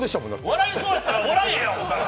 笑いそうやったら笑えや、お前。